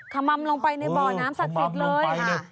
คำมัมลงไปในบ่อน้ำสัตว์เสร็จเลยค่ะ